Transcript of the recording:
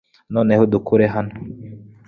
Noneho udukure hano .